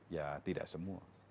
ya tidak semua